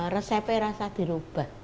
resepnya rasa dirubah